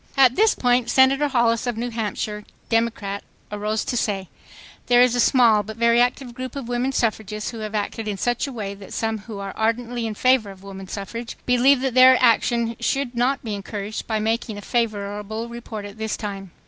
." At this point Senator Hollis of New Hampshire, Democrat, arose to say: "There is a small but very active group of women suffragists who have acted in such a way that some who are ardently in favor of woman suffrage believe that their action should not be encouraged by making a favorable report at this time."